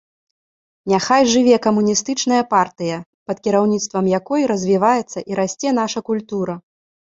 Няхай жыве камуністычная партыя, пад кіраўніцтвам якой развіваецца і расце наша культура!